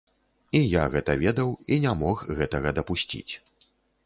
І я гэта ведаў і не мог гэтага дапусціць.